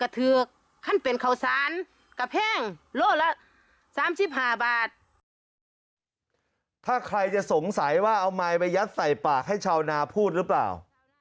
ถ้าใครจะสงสัยว่าเอาไมค์ไปยัดใส่ปากให้ชาวนาพูดหรือเปล่า